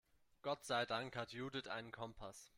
Gott sei Dank hat Judith einen Kompass.